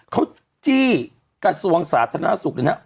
เขาจี้กระทรวงสาธารณสุขเลยนะ